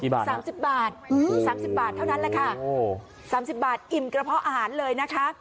๓๐บาท๓๐บาทเท่านั้นแหละค่ะ๓๐บาทอิ่มกระเพาะอาหารเลยนะคะ